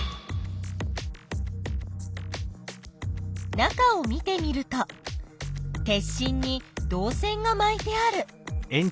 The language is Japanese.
中を見てみると鉄しんに導線がまいてある。